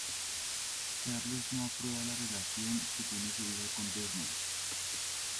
Charles no aprueba la relación que tiene su hija con Desmond.